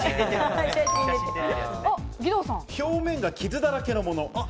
表面が傷だらけのもの。